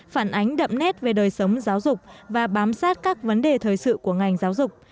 phản ánh đậm nét về đời sống giáo dục và bám sát các vấn đề thời sự của ngành giáo dục